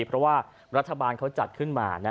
เพราะว่ารัฐบาลเขาจัดขึ้นมา